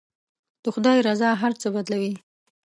د خدای رضا هر څه بدلوي.